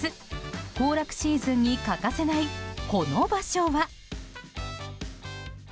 行楽シーズンに欠かせないこの場所は。